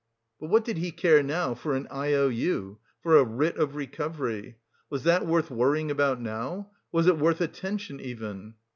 But what did he care now for an I O U, for a writ of recovery! Was that worth worrying about now, was it worth attention even!